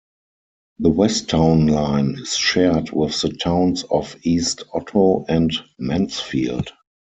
The west town line is shared with the towns of East Otto and Mansfield.